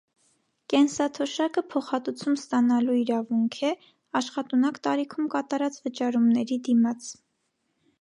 Կենսաթոշակը փոխհատուցում ստանալու իրավունք է՝ աշխատունակ տարիքում կատարած վճարումների դիմաց։